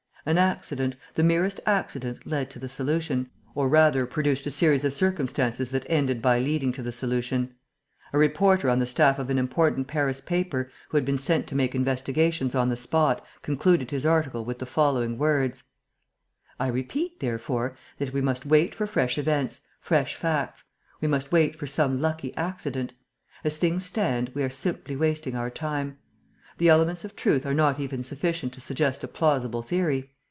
An accident, the merest accident led to the solution, or rather produced a series of circumstances that ended by leading to the solution. A reporter on the staff of an important Paris paper, who had been sent to make investigations on the spot, concluded his article with the following words: "I repeat, therefore, that we must wait for fresh events, fresh facts; we must wait for some lucky accident. As things stand, we are simply wasting our time. The elements of truth are not even sufficient to suggest a plausible theory.